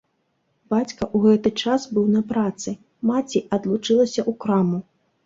Бацька ў гэты час быў на працы, маці адлучылася ў краму.